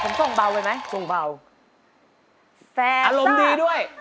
ผมส่งเบาไปไหมทรงเบาแฟนอารมณ์ดีด้วย